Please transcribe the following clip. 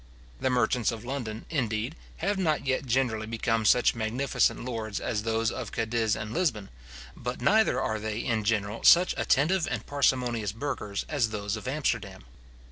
The merchants of London, indeed, have not yet generally become such magnificent lords as those of Cadiz and Lisbon; but neither are they in general such attetitive and parsimonious burghers as those of Amsterdam.